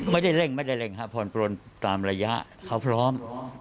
ไม่ได้เร่งไม่ได้เร่งครับผ่อนปลนตามระยะเขาพร้อม